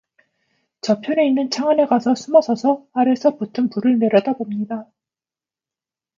저편에 있는 창안에 가서 숨어 서서, 아래서 붙은 불을 내려다봅니다.